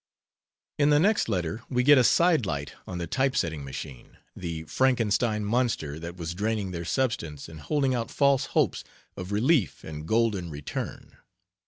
In the next letter we get a sidelight on the type setting machine, the Frankenstein monster that was draining their substance and holding out false hopes of relief and golden return.